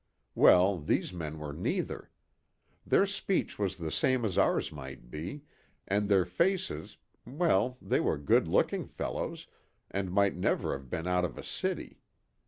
Well, these men were neither. Their speech was the same as ours might be, and their faces, well, they were good looking fellows, and might never have been out of a city.